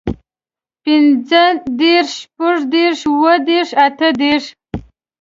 پينځهدېرش، شپږدېرش، اووهدېرش، اتهدېرش